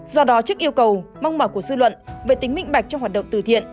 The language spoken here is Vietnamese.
do đó chức yêu cầu mong mở cuộc dư luận về tính minh bạch trong hoạt động từ thiện